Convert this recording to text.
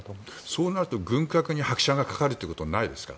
そうなると軍拡に拍車がかかることはないですか？